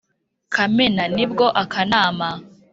kamena nibwo akanama